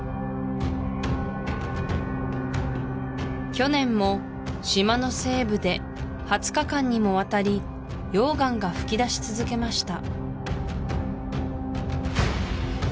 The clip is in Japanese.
去年も島の西部で２０日間にもわたり溶岩が噴き出し続けました